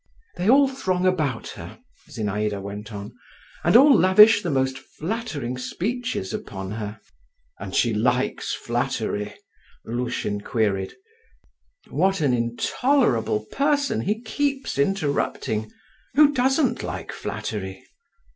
"They all throng about her," Zinaïda went on, "and all lavish the most flattering speeches upon her." "And she likes flattery?" Lushin queried. "What an intolerable person! he keeps interrupting … who doesn't like flattery?"